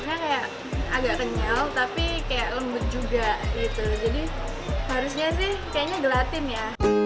rasanya kayak agak kenyal tapi kayak lembut juga gitu jadi harusnya sih kayaknya gelatin ya